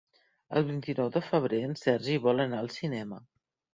El vint-i-nou de febrer en Sergi vol anar al cinema.